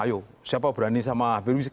ayo siapa berani sama hb brinzik